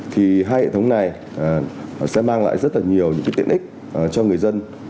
thì hai hệ thống này sẽ mang lại rất nhiều tiện ích cho người dân